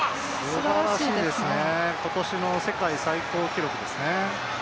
すばらしいですね、今年の世界最高記録ですね。